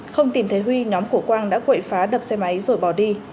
không tìm thấy huy nhóm của quang đã quậy phá đập xe máy rồi bỏ đi